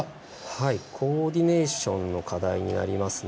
コーディネーションの課題になりますね。